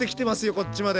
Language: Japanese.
こっちまで。